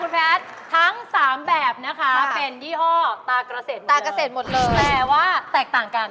คุณแพทย์ทั้ง๓แบบนะคะเป็นยี่ห้อตาเกษตรตาเกษตรหมดเลยแต่ว่าแตกต่างกัน